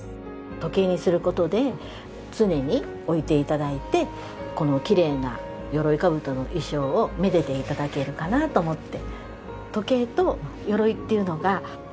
時計にする事で常に置いて頂いてこのきれいな鎧兜の意匠をめでて頂けるかなと思って。